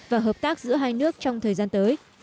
và hợp tác giữa hai nước trong thời gian tới